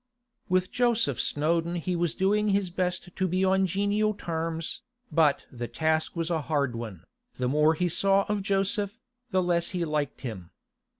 With Joseph Snowdon he was doing his best to be on genial terms, but the task was a hard one. The more he saw of Joseph, the less he liked him.